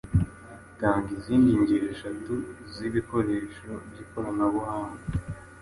Tanga izindi ngero eshatu z’ibikoresho by’ikoranabuhanga